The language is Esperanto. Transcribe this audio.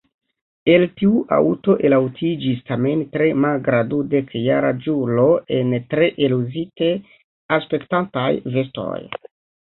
El tiu aŭto elaŭtiĝis tamen tre magra dudekjaraĝulo en tre eluzite aspektantaj vestoj.